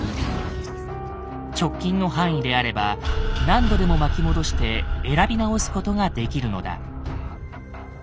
直近の範囲であれば何度でも巻き戻して選び直すことができるのだ。